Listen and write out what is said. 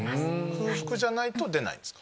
空腹じゃないと出ないんですか？